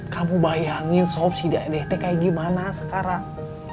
kamu bayangin sob si dede kayak gimana sekarang